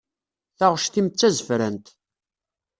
Taɣect-im d tazefrant.